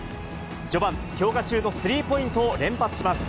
序盤、強化中のスリーポイントを連発します。